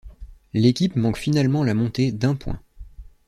L'équipe manque finalement la montée d'un point.